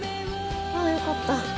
ああよかった。